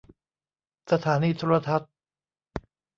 สถานีโทรทัศน์